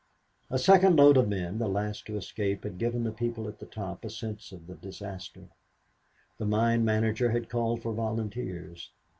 A second load of men, the last to escape, had given the people at the top a sense of the disaster. The mine manager had called for volunteers.